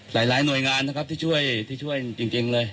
หลายหน่วยงานนะครับที่ช่วยที่ช่วยจริงเลย